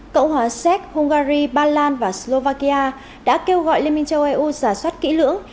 cộng hòa czech hungary bà lan và slovakia đã kêu gọi liên minh châu âu giả soát kỹ lưỡng